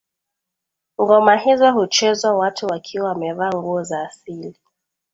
Ngoma hizo huchezwa watu wakiwa wamevaa nguo za asili